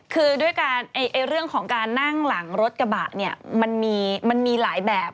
คือด้วยการเรื่องของการนั่งหลังรถกระบะเนี่ยมันมีหลายแบบ